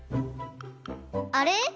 あれ？